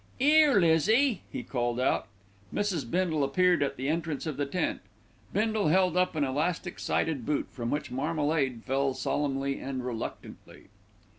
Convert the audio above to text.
"'Ere, Lizzie," he called out. Mrs. Bindle appeared at the entrance of the tent. Bindle held up an elastic sided boot from which marmalade fell solemnly and reluctantly.